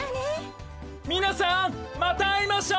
みなさんまたあいましょう！